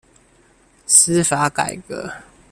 司法改革